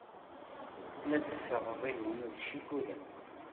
La d-ssaɣeɣ igumma ed ccikula.